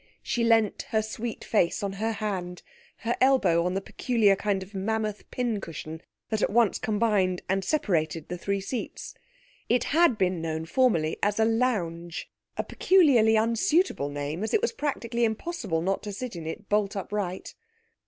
She leant her sweet face on her hand, her elbow on the peculiar kind of mammoth pincushion that at once combined and separated the three seats. (It had been known formerly as a 'lounge' a peculiarly unsuitable name, as it was practically impossible not to sit in it bolt upright.)